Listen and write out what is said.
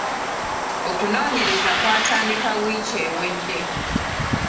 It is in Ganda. Okunoonyereza kw'atandika wiiki ewedde.